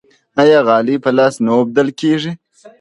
آیا غالۍ په لاس نه اوبدل کیږي؟